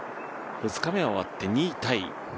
２日目終わって２位タイ。